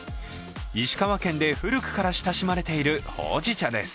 石川県で古くから親しまれているほうじ茶です。